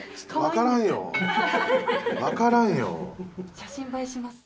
写真映えします。